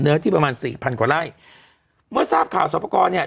ที่ประมาณสี่พันกว่าไร่เมื่อทราบข่าวสอบประกอบเนี่ย